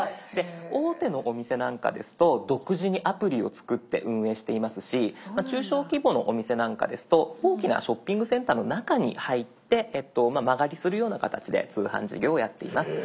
大手のお店なんかですと独自にアプリを作って運営していますし中小規模のお店なんかですと大きなショッピングセンターの中に入って間借りするような形で通販事業をやっています。